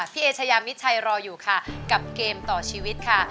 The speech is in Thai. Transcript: พี่รออยู่ค่ะกับต่อชีวิตค่ะ